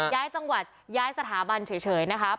ย้ายจังหวัดย้ายสถาบันเฉยนะครับ